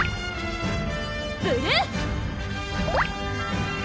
ブルー！